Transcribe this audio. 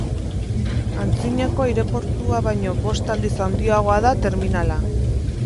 Antzinako aireportua baino bost aldiz handiagoa da terminala.